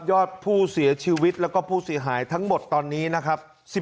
อดผู้เสียชีวิตแล้วก็ผู้เสียหายทั้งหมดตอนนี้นะครับ